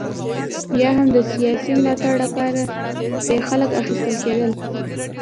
یا هم د سیاسي ملاتړ لپاره پرې خلک اخیستل کېدل.